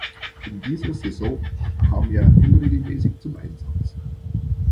In dieser Saison kam er unregelmäßig zum Einsatz.